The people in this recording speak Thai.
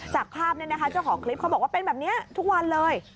จากภาพเจ้าของคลิปเขาบอกว่าเป็นแบบนี้ทุกวันเลย